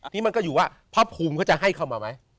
ที่มันก็อยู่ว่าภาพภูมิก็จะให้เขามาไหม